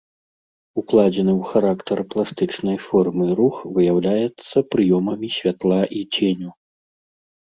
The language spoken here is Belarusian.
Укладзены ў характар пластычнай формы рух выяўляецца прыёмамі святла і ценю.